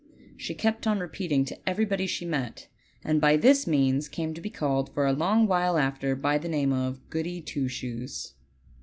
she kept on repeating to everybody she met, and by this means came to be called for a long while after by the name of GOODY TWO SHOES.